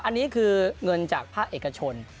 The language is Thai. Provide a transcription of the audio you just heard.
อันนี้คือเงินจากภาคเอกชน